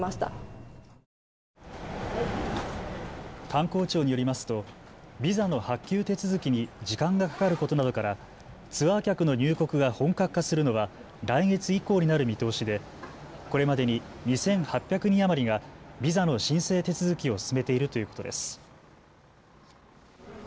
観光庁によりますとビザの発給手続きに時間がかかることなどからツアー客の入国が本格化するのは来月以降になる見通しで、これまでに２８００人余りがビザの申請手続きを進めているということです。